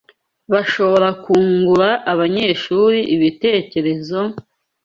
bashobora kungura abanyeshuri ibitekerezo,